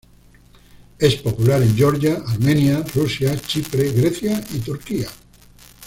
Es popular en Georgia, Armenia, Rusia, Chipre, Grecia y Turquía.